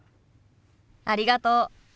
ありがとう。